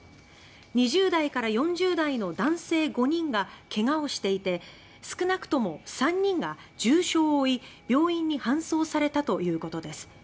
２０代から４０代の男性５人が怪我をしていて少なくとも３人が重傷を負い病院に搬送されたということです。